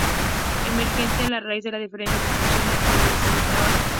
Emerge a raíz de la diferenciación de funciones y de la división del trabajo.